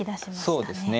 そうですね。